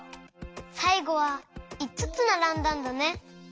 さいごはいつつならんだんだね。